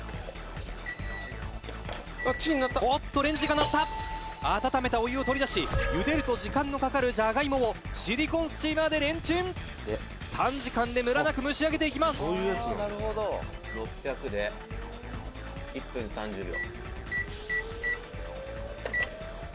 「」「おーっとレンジが鳴った！」「温めたお湯を取り出しゆでると時間のかかるじゃがいもをシリコンスチーマーでレンチン」「短時間でムラなく蒸し上げていきます」「６００で１分３０秒」「」